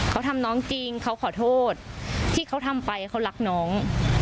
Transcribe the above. เขาทำน้องจริงเขาขอโทษที่เขาทำไปเขารักน้อง